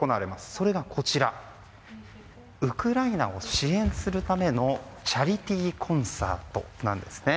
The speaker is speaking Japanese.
それが、ウクライナを支援するためのチャリティーコンサートなんです。